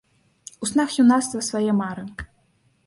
У снах юнацтва свае мары!